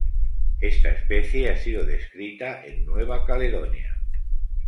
Esta especie ha sido descrita en Nueva Caledonia.